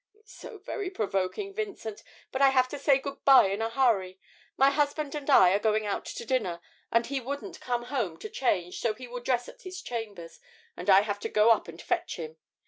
It's so very provoking, Vincent, but I have to say good bye in a hurry. My husband and I are going out to dinner, and he wouldn't come home to change, so he will dress at his chambers, and I have to go up and fetch him.